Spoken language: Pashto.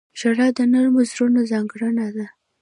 • ژړا د نرمو زړونو ځانګړنه ده.